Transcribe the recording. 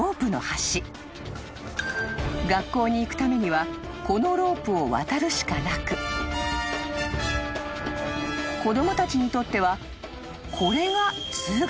［学校に行くためにはこのロープを渡るしかなく子供たちにとってはこれが］